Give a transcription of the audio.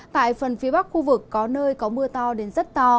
tại phần phía bắc khu vực có nơi có mưa to đến rất to